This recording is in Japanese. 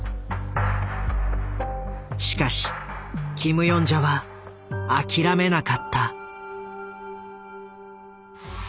しかしキム・ヨンジャは諦めなかった。